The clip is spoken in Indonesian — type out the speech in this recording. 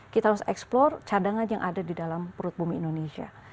kita harus eksplor cadangan yang ada di dalam perut bumi indonesia